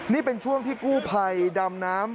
นี่เป็นช่วงที่กู้ภัยดำน้ำ